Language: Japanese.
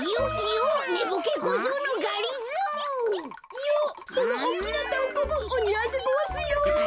いよそのおっきなたんこぶおにあいでごわすよ。